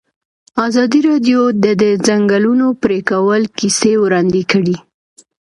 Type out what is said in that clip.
ازادي راډیو د د ځنګلونو پرېکول کیسې وړاندې کړي.